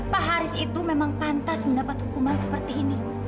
pak haris itu memang pantas mendapat hukuman seperti ini